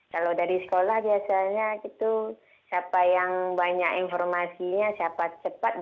kalau dari sekolah biasanya gitu siapa yang banyak informasinya siapa cepat